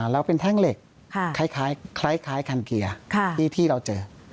แล้วเป็นแท่งเหล็กคล้ายคันเกียร์ที่เราเจอ